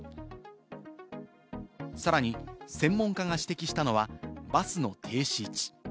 さらに専門家が指摘したのは、バスの停止位置。